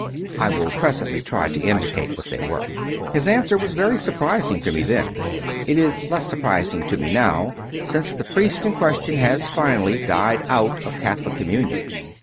(I will presently try to indicate what they were.) His answer was very surprising to me then. It is less surprising to me now, since the priest in ques tion has, finally, died out of Catholic communion.